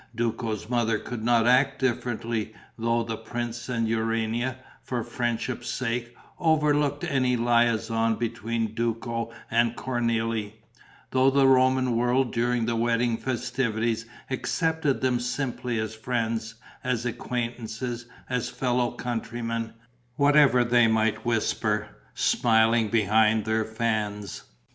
Duco's mother could not act differently, though the prince and Urania, for friendship's sake, overlooked any liaison between Duco and Cornélie; though the Roman world during the wedding festivities accepted them simply as friends, as acquaintances, as fellow countrymen, whatever they might whisper, smiling, behind their fans.